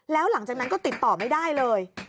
แล้วหลังจากนั้นก็ติดต่อไม่ได้เลย